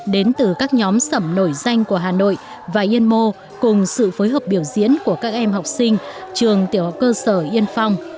đến từ các nhóm sẩm nổi danh của hà nội và yên mô cùng sự phối hợp biểu diễn của các em học sinh trường tiểu học cơ sở yên phong